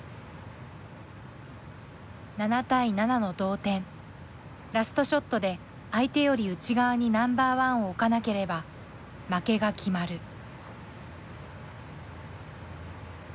７対７の同点ラストショットで相手より内側にＮＯ．１を置かなければ負けが決まる。